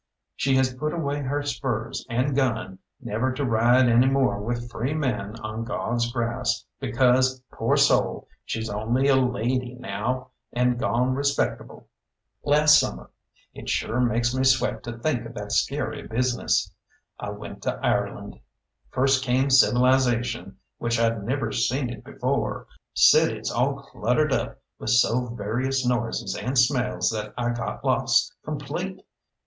She has put away her spurs and gun never to ride any more with free men on God's grass, because, poor soul! she's only a lady now and gone respectable. Last summer it sure makes me sweat to think of that scary business I went to Ireland. First came civilisation which I'd never seen it before cities all cluttered up with so various noises and smells that I got lost complete.